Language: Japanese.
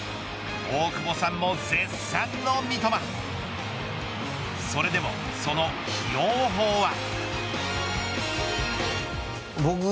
大久保さんも絶賛の三笘それでもその起用法は。